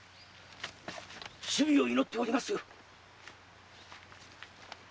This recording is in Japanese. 首尾を祈っておりますよ。